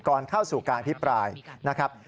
ก่อนเข้าสู่การอภิปรายนะครับ